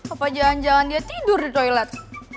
ih jangan jangan dia tidur di toilet